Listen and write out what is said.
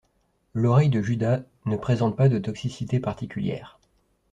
L'oreille de Judas ne présente pas de toxicité particulière.